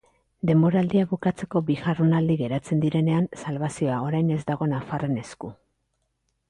Denboraldia bukatzeko bi jardunaldi geratzen direnean, salbazioa orain ez dago nafarren esku.